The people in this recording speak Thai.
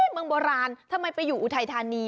เมืองโบราณทำไมไปอยู่อุทัยธานี